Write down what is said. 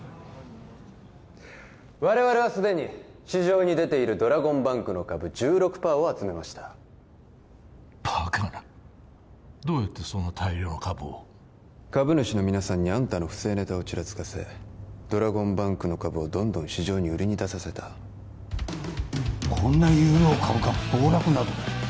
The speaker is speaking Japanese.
我々は既に市場に出ているドラゴンバンクの株 １６％ を集めましたバカなどうやってそんな大量の株を株主の皆さんにあんたの不正ネタをちらつかせドラゴンバンクの株をどんどん市場に売りに出させたこんな優良株が暴落など